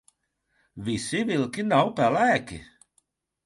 Visi vilki nav pelēki.